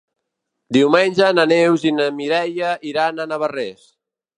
Diumenge na Neus i na Mireia iran a Navarrés.